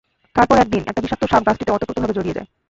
তারপর একদিন, একটা বিষাক্ত সাপ গাছটিতে অতপ্রোতভাবে জড়িয়ে যায়।